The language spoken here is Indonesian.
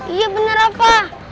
iya bener rafa